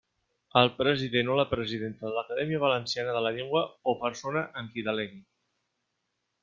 El president o la presidenta de l'Acadèmia Valenciana de la Llengua o persona en qui delegue.